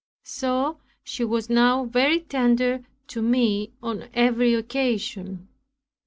So she was now very tender to me on every occasion.